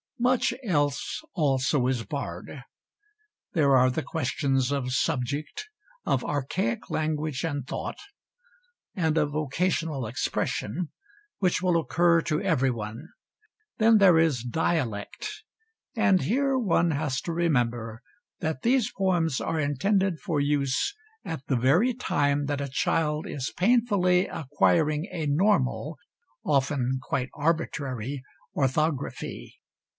Much else also is barred. There are the questions of subject, of archaic language and thought, and of occasional expression, which will occur to everyone. Then there is dialect, and here one has to remember that these poems are intended for use at the very time that a child is painfully acquiring a normal often quite arbitrary orthography.